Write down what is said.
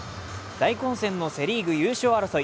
大混戦のセ・リーグ優勝争い。